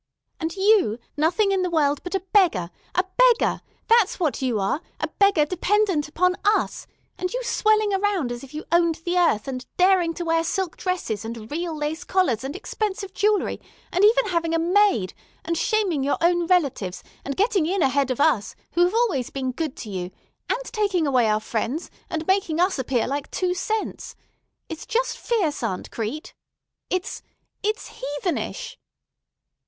"And you, nothing in the world but a beggar, a beggar! That's what you are—a beggar dependent upon us; and you swelling around as if you owned the earth, and daring to wear silk dresses and real lace collars and expensive jewelry, and even having a maid, and shaming your own relatives, and getting in ahead of us, who have always been good to you, and taking away our friends, and making us appear like two cents! It's just fierce, Aunt Crete! It's—it's heathenish!"